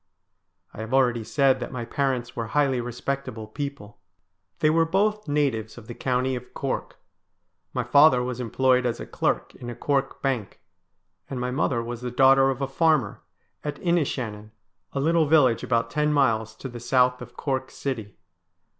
I have already said that my parents were highly respectable people. They were both natives of the county of Cork. My father was employed as a clerk in a Cork bank ; and my mother was the daughter of a farmer at Inishannon, a little village about ten miles to the south of Cork city.